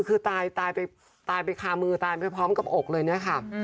คือตายไปคามือตายไปพร้อมกับอกเลยเนี่ยค่ะ